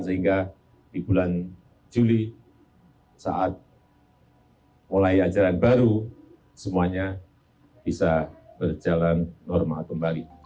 sehingga di bulan juli saat mulai ajaran baru semuanya bisa berjalan normal kembali